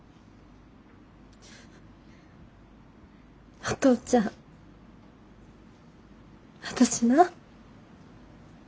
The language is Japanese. お父ちゃん私な。